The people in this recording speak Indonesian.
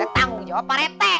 tanggung jawab pak rete